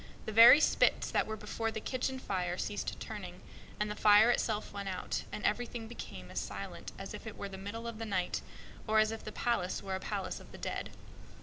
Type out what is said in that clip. The very spits that were before the kitchen fire fell asleep, and the fire itself, and everything became as still as if it were the middle of the night, or as if the palace were a palace of the dead.